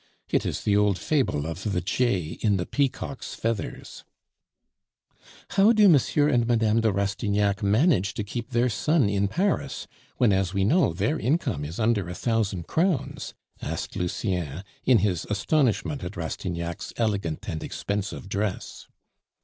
It is the old fable of the jay in the peacock's feathers!" "How do M. and Mme. de Rastignac manage to keep their son in Paris, when, as we know, their income is under a thousand crowns?" asked Lucien, in his astonishment at Rastignac's elegant and expensive dress.